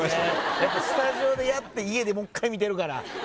スタジオでやって家でもっかい見てるから。